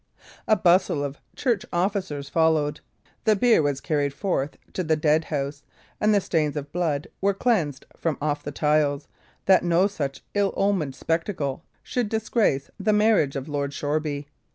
A bustle of church officers followed; the bier was carried forth to the deadhouse, and the stains of blood were cleansed from off the tiles, that no such ill omened spectacle should disgrace the marriage of Lord Shoreby.